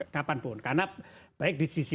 kapanpun karena baik di sisi